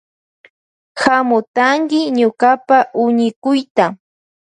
Hamutanki ñukapa huñikuyta.